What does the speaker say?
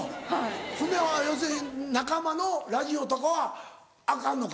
ほんで要するに仲間のラジオとかはアカンのか？